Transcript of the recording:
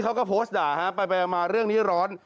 เขาก็โพสต์ด่าฮะไปมาเรื่องนี้ร้อน